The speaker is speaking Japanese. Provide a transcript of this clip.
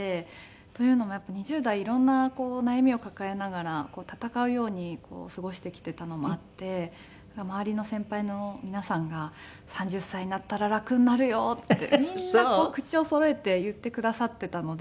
というのもやっぱり２０代色んな悩みを抱えながら戦うように過ごしてきていたのもあって周りの先輩の皆さんが「３０歳になったら楽になるよ」ってみんなこう口をそろえて言ってくださっていたので。